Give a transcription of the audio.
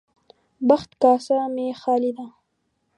بخت کاسه مې خالي ده.